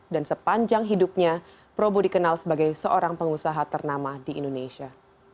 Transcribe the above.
dan sepanjang hidupnya probo dikenal sebagai seorang pengusaha ternama di indonesia